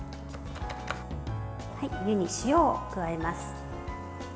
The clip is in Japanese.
湯に塩を加えます。